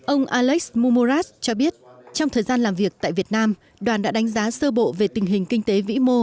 ông alex mumorat cho biết trong thời gian làm việc tại việt nam đoàn đã đánh giá sơ bộ về tình hình kinh tế vĩ mô